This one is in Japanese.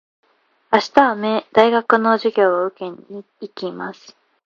明日は大学の授業を受けに行きます。